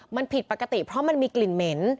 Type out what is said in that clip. มันผิดปกติเพราะมันมีกลิ่นเหม็น